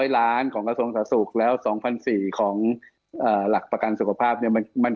ล้านของกระทรวงสาธุศูกร์แล้ว๒๐๐๔ของหลักประกันสุขภาพมัน